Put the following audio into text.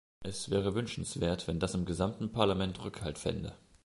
Es wäre wünschenswert, wenn das im gesamten Parlament Rückhalt fände.